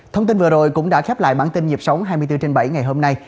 thông tin vừa rồi cũng đã khép lại bản tin nhịp sống hai mươi bốn trên bảy ngày hôm nay